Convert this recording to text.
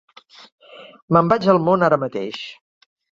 Me'n vaig al món ara mateix.